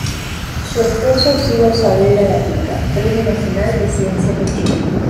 Su esposo es Igor Saavedra Gatica, Premio Nacional de Ciencias de Chile.